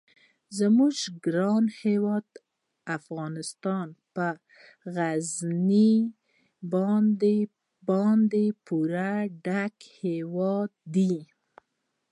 زموږ ګران هیواد افغانستان په غزني باندې پوره ډک هیواد دی.